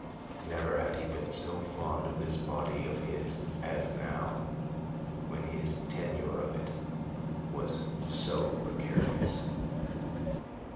Never had he been so fond of this body of his as now when his tenure of it was so precarious.